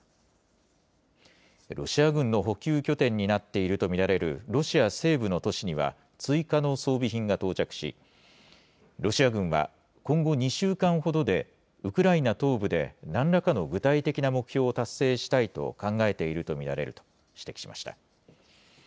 ロシア軍の補給拠点になっていると見られるロシア西部の都市には、追加の装備品が到着し、ロシア軍は今後２週間ほどで、ウクライナ東部でなんらかの具体的な目標を達成したいと考えていると見られると指摘しました。